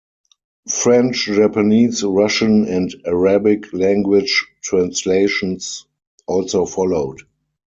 French, Japanese, Russian, and Arabic language translations also followed.